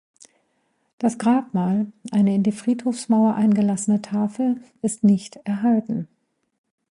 Das Grabmal, eine in die Friedhofsmauer eingelassene Tafel, ist nicht erhalten.